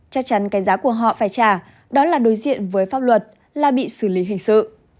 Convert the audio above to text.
chắc chắn cái giá của họ phải trả đó là đối diện với pháp luật là bị xử lý hình sự